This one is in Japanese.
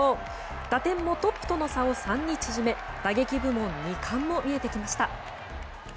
打点もトップとの差を３に縮め打撃部門２冠も見えてきました。